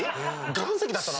岩石だったの？